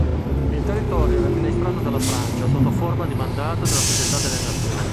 Il territorio era amministrato dalla Francia sotto forma di mandato della Società delle Nazioni.